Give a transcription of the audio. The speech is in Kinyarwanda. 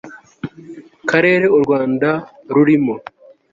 karere u rwanda rurimo